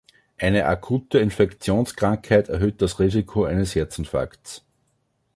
Eine akute Infektionskrankheit erhöht das Risiko eines Herzinfarktes.